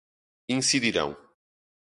incidirão